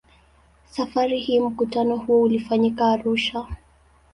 Safari hii mkutano huo ulifanyika Arusha.